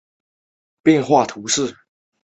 圣莫里斯小教堂人口变化图示